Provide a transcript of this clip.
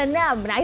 nah itu terakhir